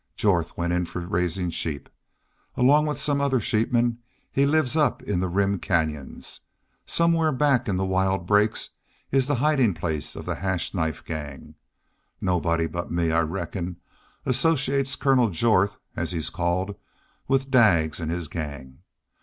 Jorth went in for raisin' sheep. Along with some other sheepmen he lives up in the Rim canyons. Somewhere back in the wild brakes is the hidin' place of the Hash Knife Gang. Nobody but me, I reckon, associates Colonel Jorth, as he's called, with Daggs an' his gang.